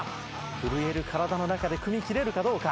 震える体の中でくみきれるかどうか？